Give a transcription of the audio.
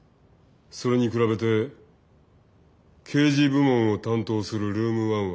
それに比べて刑事部門を担当するルーム１は。